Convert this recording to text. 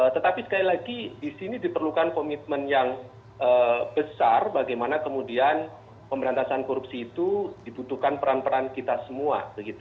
tetapi sekali lagi di sini diperlukan komitmen yang besar bagaimana kemudian pemberantasan korupsi itu dibutuhkan peran peran kita semua